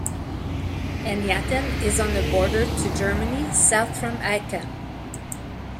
Eynatten is on the border to Germany, south from Aachen.